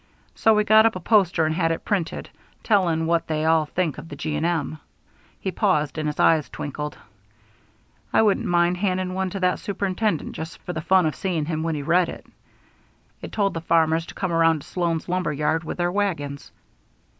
So we got up a poster and had it printed, telling what they all think of the G. & M." he paused, and his eyes twinkled "I wouldn't mind handing one to that Superintendent just for the fun of seeing him when he read it. It told the farmers to come around to Sloan's lumber yard with their wagons."